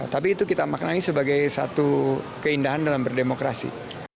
tapi itu kita maknai sebagai satu keindahan dalam berdemokrasi